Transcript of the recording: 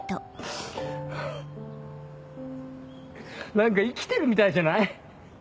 何か生きてるみたいじゃない？